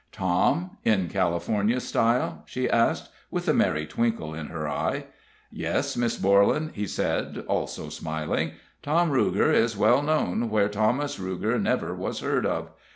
"Tom, in California style?" she asked, with a merry twinkle in her eye. "Yes, Miss Borlan," he said, also smiling. "Tom Ruger is well known where Thomas Ruger never was heard of.